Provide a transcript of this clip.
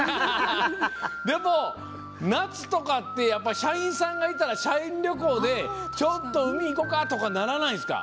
でも夏とかって社員さんがいたら社員旅行でちょっと海行こかとかならないんですか？